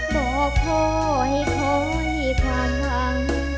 บอกพ่อให้คอยทางหลัง